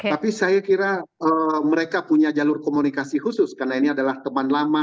tapi saya kira mereka punya jalur komunikasi khusus karena ini adalah teman lama